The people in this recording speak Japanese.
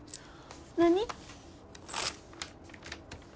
何？